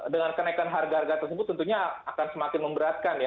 dengan kenaikan harga harga tersebut tentunya akan semakin memberatkan ya